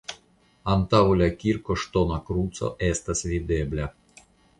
Antaŭ la kirko ŝtona kruco estas videbla.